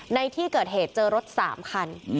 ในที่เกิดเหตุเจอรถ๓คัน